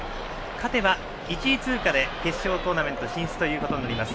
勝てば１位通過で決勝トーナメント進出になります。